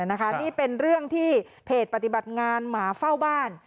นี่เป็นเรื่องที่เพจปฏิบัติงานหมาเฝ้าบ้าน